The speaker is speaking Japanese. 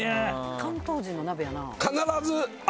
関東人の鍋やな。